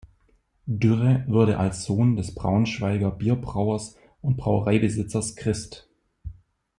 Dürre wurde als Sohn des Braunschweiger Bierbrauers und Brauereibesitzers Christ.